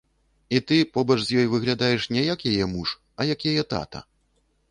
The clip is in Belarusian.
І ты побач з ёй выглядаеш не як яе муж, а як яе тата.